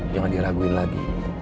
jangan diraguin lagi